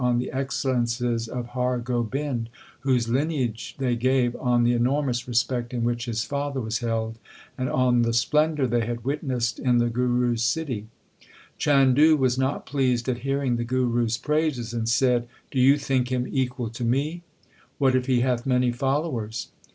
LIFE OF GURU ARJAN 73 the excellences of Har Gobind, whose lineage they gave, on the enormous respect in which his father was held, and on the splendour they had witnessed in the Guru s city. Chandu was not pleased at hearing the Guru s praises, and said, Do you think him equal to me ? What if he hath many followers